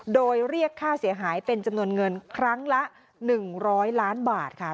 โดยเรียกค่าเสียหายเป็นจำนวนเงินครั้งละ๑๐๐ล้านบาทค่ะ